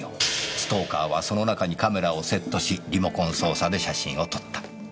ストーカーはその中にカメラをセットしリモコン操作で写真を撮った。